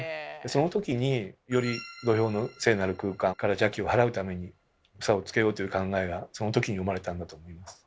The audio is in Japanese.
そのときにより土俵の聖なる空間から邪気を払うために房をつけようという考えがそのときに生まれたんだと思います。